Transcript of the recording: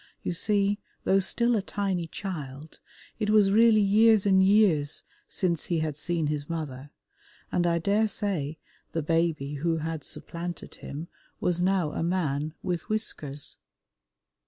You see, though still a tiny child, it was really years and years since he had seen his mother, and I daresay the baby who had supplanted him was now a man with whiskers.